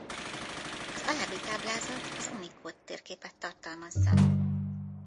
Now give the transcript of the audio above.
Az alábbi táblázat az Unicode-térképet tartalmazza.